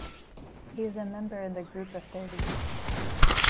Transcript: He is a member in the Group of Thirty.